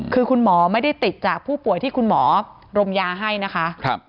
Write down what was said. คือคุณหมอไม่ได้ติดจากผู้ป่วยที่คุณหมอรมยาให้นะคะ